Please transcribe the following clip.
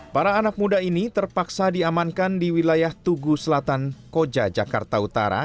para anak muda ini terpaksa diamankan di wilayah tugu selatan koja jakarta utara